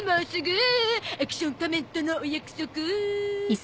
アクション仮面とのお約束！